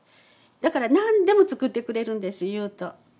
だから何でも作ってくれるんです言うと。